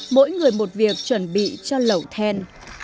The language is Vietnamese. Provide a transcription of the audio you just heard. mỗi người một việc chuẩn bị cho lẩu then